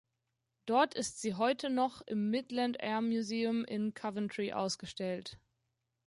Dort ist sie heute noch im Midland Air Museum in Coventry ausgestellt.